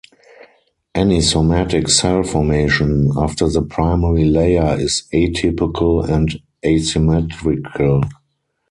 Any somatic cell formation after the primary layer is atypical and asymmetrical.